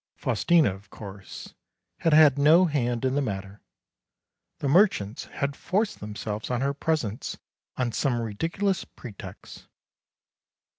Faustina, of course, had had no hand in the matter. The merchants had forced themselves on her presence on some ridiculous pretext.